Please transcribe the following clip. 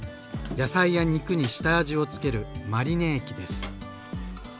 野菜や肉に下味を付けるマリネ液です。